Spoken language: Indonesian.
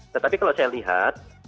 tetapi kalau saya lihat